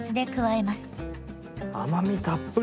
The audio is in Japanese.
甘みたっぷり！